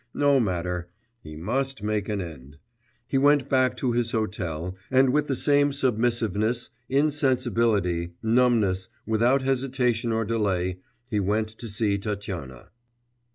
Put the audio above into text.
No matter; he must make an end. He went back to his hotel, and with the same submissiveness, insensibility, numbness, without hesitation or delay, he went to see Tatyana.